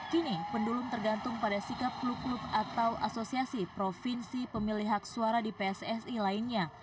kini pendulum tergantung pada sikap klub klub atau asosiasi provinsi pemilih hak suara di pssi lainnya